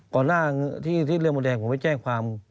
ก่อนหน้าที่เรื่องมดแดงผมไปแจ้งความ